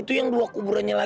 itu ternyata pengurusan alam